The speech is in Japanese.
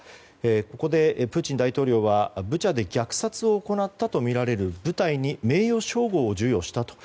ここでプーチン大統領はブチャで虐殺を行ったとみられる部隊に名誉称号を授与したと。